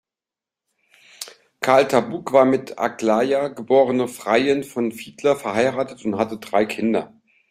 Karl Tarbuk war mit Aglaja, geborene Freiin von Fiedler verheiratet und hatte drei Kinder.